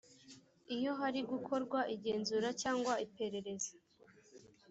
iyo hari gukorwa igenzura cyangwa iperereza